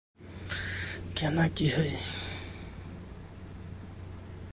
He went unclaimed and progressively found his feet, staying on the roster.